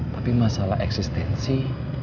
tapi masalah eksistensi